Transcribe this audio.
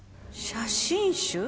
写真集？